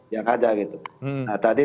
yang ada gitu nah tadi